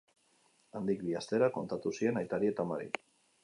Handik bi astera kontatu zien aitari eta amari.